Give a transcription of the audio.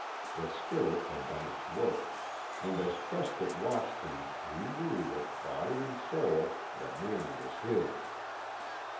The spirit had done its work, and as Truscott watched him he knew that, body and soul, the man was his.